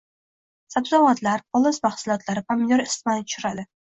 Sabzavotlar, poliz mahsulotlari, pomidor isitmani tushiradi.